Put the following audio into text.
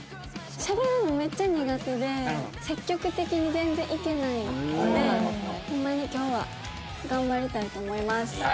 しゃべるのめっちゃ苦手で積極的に全然いけないのでホンマに今日は頑張りたいと思います。